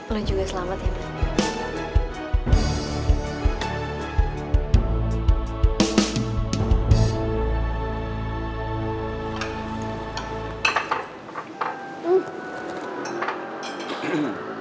lo juga selamat ya ben